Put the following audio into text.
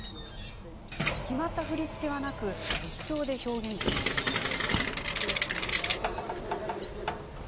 決まった振り付けはなく即興で表現していきます。